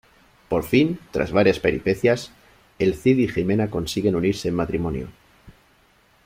Por fin, tras varias peripecias, El Cid y Jimena consiguen unirse en matrimonio.